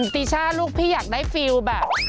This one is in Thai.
ตีช่าลูกพี่อยากได้ฟิลแบบ